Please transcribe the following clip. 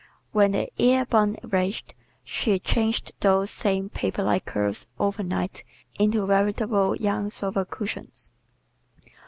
When the ear bun raged she changed those same paper like curls over night into veritable young sofa cushions.